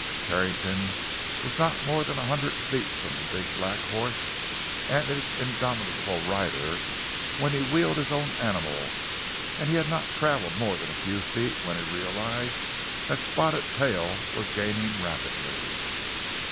Carrington was not more than a hundred feet from the big black horse and its indomitable rider when he wheeled his own animal, and he had not traveled more than a few feet when he realized that Spotted Tail was gaining rapidly.